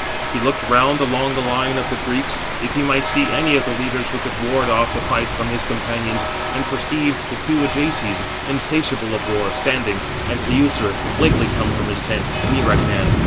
He looked round along the line of the Greeks, if he might see any of the leaders who could ward off the fight from his companions, and perceived the two Ajaces, insatiable of war, standing, and Teucer, lately come from his tent, near at hand.